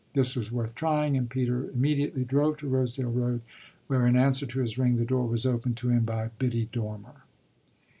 This was worth trying, and Peter immediately drove to Rosedale Road; where in answer to his ring the door was opened to him by Biddy Dormer.